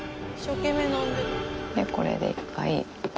これで一回。